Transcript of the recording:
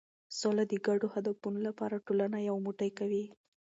سوله د ګډو هدفونو لپاره ټولنه یو موټی کوي.